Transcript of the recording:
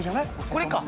これか。